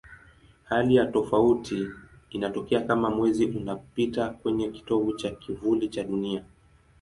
Hali ya tofauti inatokea kama Mwezi unapita kwenye kitovu cha kivuli cha Dunia.